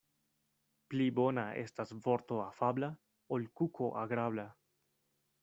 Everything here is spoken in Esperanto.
Pli bona estas vorto afabla, ol kuko agrabla.